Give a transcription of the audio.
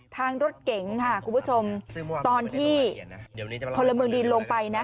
ทางรถเก๋งค่ะคุณผู้ชมตอนที่พลเมืองดีลงไปนะ